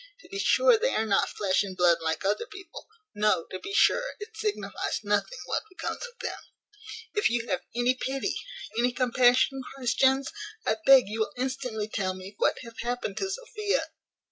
To be sure they are not flesh and blood like other people. No, to be sure, it signifies nothing what becomes of them." "If you have any pity, any compassion," cries Jones, "I beg you will instantly tell me what hath happened to Sophia?"